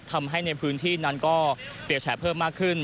ทำให้ในพื้นที่นั้นก็เปียกแฉะเพิ่มมากขึ้น